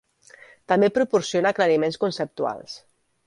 També proporciona aclariments conceptuals.